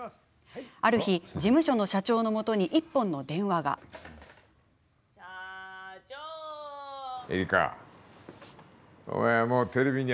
ある日、事務所の社長のもとに１本の電話が入ります。